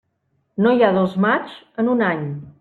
No hi ha dos maigs en un any.